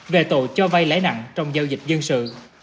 về tội cho vay lãi nặng trong giao dịch dân sự